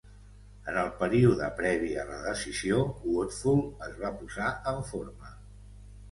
En el període previ a la decisió, Woodfull es va posar en forma.